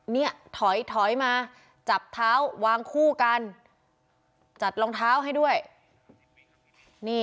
เนี่ยถอยถอยมาจับเท้าวางคู่กันจัดรองเท้าให้ด้วยนี่